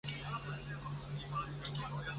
腺齿铁角蕨为铁角蕨科铁角蕨属下的一个种。